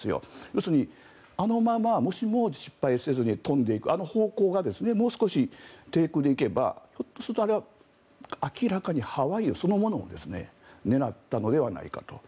要するにあのままもしも失敗せずに飛んでいく、あの方向がもう少し低空で行けばひょっとするとあれは明らかにハワイそのものを狙ったのではないかと。